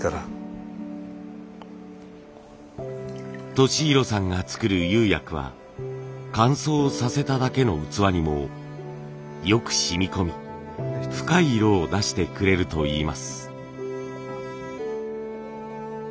利浩さんが作る釉薬は乾燥させただけの器にもよく染み込み深い色を出してくれるといいます。